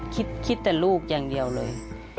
คิดแต่ลูกอย่างเดียวเลย